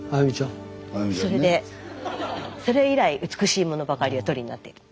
それでそれ以来美しいものばかりお撮りになっている。